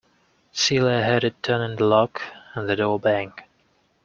Celia heard it turn in the lock, and the door bang.